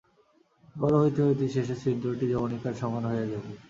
বড় হইতে হইতে শেষে ছিদ্রটি যবনিকার সমান হইয়া যাইবে।